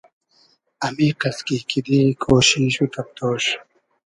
امیقئس کی کیدې کوشیش و تئبتۉش